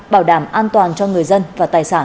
bảo đảm an toàn cho người dân và tài sản